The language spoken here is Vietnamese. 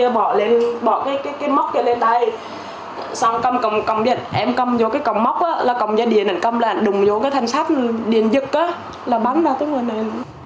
bỏ cái móc kia lên tay xong cầm cầm điện em cầm vô cái cầm móc đó là cầm ra điện cầm lại đùng vô cái thân sát điện dựng đó là bắn ra tới người này